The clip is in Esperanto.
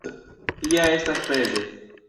Ja estas peze!